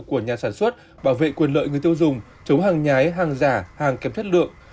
của nhà sản xuất bảo vệ quyền lợi người tiêu dùng chống hàng nhái hàng giả hàng kém chất lượng